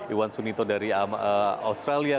iwan sunito dari australia